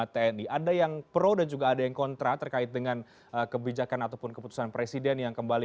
tentang susunan organisasi tni